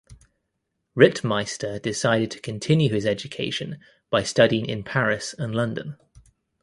Rittmeister decided to continue his education by studying in Paris and London.